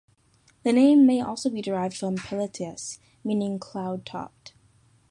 The name may also be derived from "pileatus," meaning "cloud-topped.